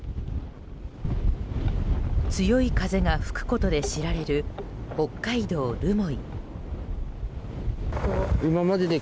強い風が吹くことで知られる北海道留萌。